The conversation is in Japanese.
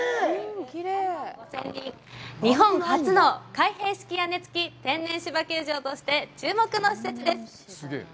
日本初の開閉式屋根付き天然芝球場として注目の施設です。